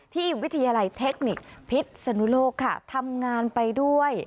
วิทยาลัยเทคนิคพิษสนุโลกค่ะทำงานไปด้วย